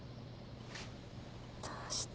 どうして？